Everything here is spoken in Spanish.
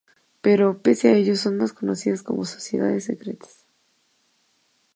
Pero, pese a ello, son más conocidas como sociedades secretas.